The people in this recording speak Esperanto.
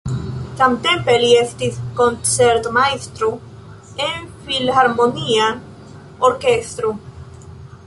Samtempe li estis koncertmajstro en filharmonia orkestro.